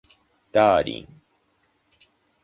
ダーリン